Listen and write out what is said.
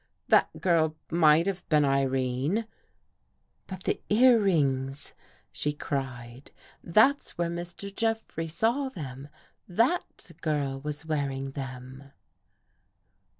" That girl might have been Irene." " But the earrings !" she cried. " That's where Mr. Jeffrey saw them. That girl was wear ing them."